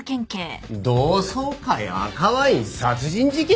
同窓会赤ワイン殺人事件！？